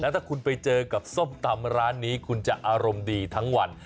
ถ้าคุณไปเจอกับส้มตำร้านนี้คุณจะอารมณ์ดีทั้งวัน